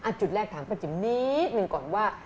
จุดแรกถามป้าจิ๋มนิดหนึ่งก่อนว่า